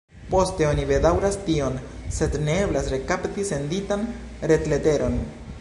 Poste oni bedaŭras tion, sed ne eblas rekapti senditan retleteron.